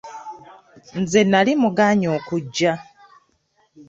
Nze nali mugaanyi okujja.